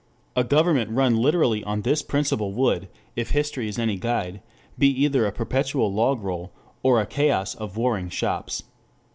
A government run literally on this principle would, if history is any guide, be either a perpetual logroll, or a chaos of warring shops.